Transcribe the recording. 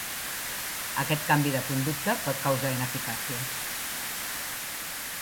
Aquest canvi de conducta pot causar ineficàcia.